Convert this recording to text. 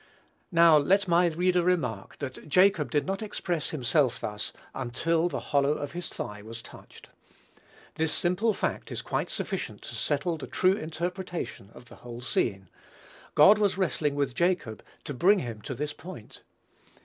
Now, let my reader remark, that Jacob did not express himself thus until "the hollow of his thigh was touched." This simple fact is quite sufficient to settle the true interpretation of the whole scene. God was wrestling with Jacob to bring him to this point.